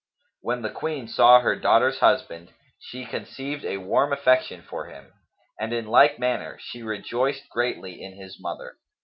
When the Queen saw her daughter's husband, she conceived a warm affection for him, and in like manner she rejoiced greatly in his mother.